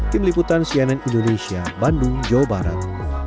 tim liputan cnn indonesia bandung jawa barat